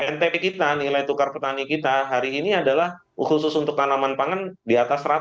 ntp kita nilai tukar petani kita hari ini adalah khusus untuk tanaman pangan di atas seratus